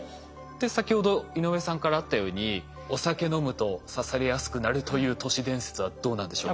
先ほど井上さんからあったようにお酒飲むと刺されやすくなるという都市伝説はどうなんでしょうか？